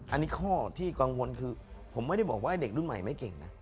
อันนี้ข้อที่กังวลคือผมไม่ได้บอกว่าเด็กรุ่นใหม่ไม่เก่งนะ